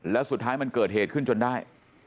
แล้วสุดท้ายมันเกิดเหตุขึ้นจนได้